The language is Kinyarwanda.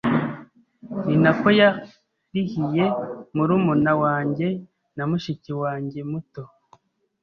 ni nako yarihiye murumuna wanjye na mushiki wanjyemuto